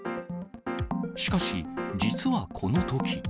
しかし、実はこのとき。